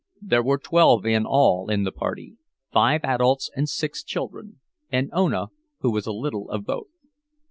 There were twelve in all in the party, five adults and six children—and Ona, who was a little of both.